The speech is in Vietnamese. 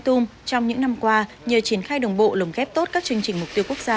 trong những năm qua nhờ triển khai đồng bộ lồng ghép tốt các chương trình mục tiêu quốc gia